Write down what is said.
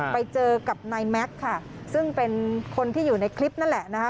ไปเจอกับนายแม็กซ์ค่ะซึ่งเป็นคนที่อยู่ในคลิปนั่นแหละนะคะ